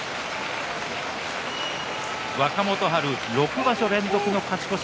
若元春、６場所連続の勝ち越し